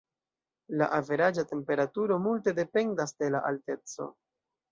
La averaĝa temperaturo multe dependas de la alteco.